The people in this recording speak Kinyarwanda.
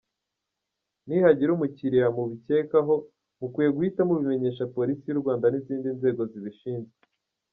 Nihagira umukiriya mubikekaho ; mukwiye guhita mubimenyesha Polisi y’u Rwanda n’izindi nzego zibishinzwe."